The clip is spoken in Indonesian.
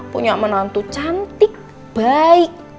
punya sama nantu cantik baik